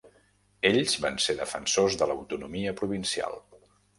Ells van ser defensors de l'autonomia provincial.